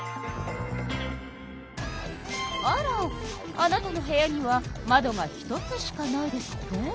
あらあなたの部屋には窓が１つしかないですって？